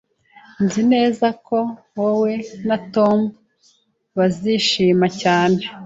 Nzi neza ko wowe na Tom bazishima cyane